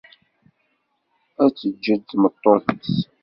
Ad teǧǧel tmeṭṭut-is.